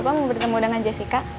bapak mau bertemu dengan jessica